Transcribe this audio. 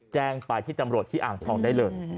แจ้งไปที่ตำรวจที่อ่างทองได้เลย